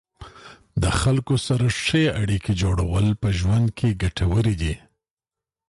د خلکو سره ښې اړیکې جوړول په ژوند کې ګټورې دي.